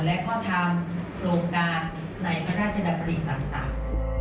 และก็ทำโครงการในพระราชดำริต่าง